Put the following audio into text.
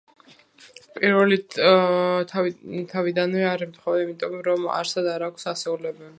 პირველი თავიდანვე არ ემთხვევა იმიტომ, რომ არსად არ გვაქვს ასეულები.